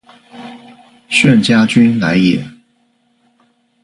炫家军来也！